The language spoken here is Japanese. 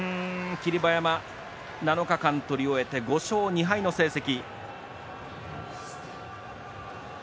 霧馬山、７日間取り終えて５勝２敗の成績。